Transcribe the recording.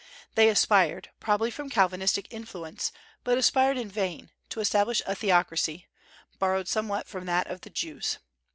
They aspired, probably from Calvinistic influence, but aspired in vain, to establish a theocracy, borrowed somewhat from that of the Jews.